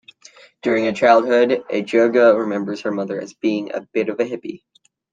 During her childhood, Ejogo remembers her mother as being "a bit of a hippie".